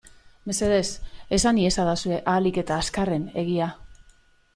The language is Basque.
Mesedez esan iezadazue ahalik eta azkarren egia.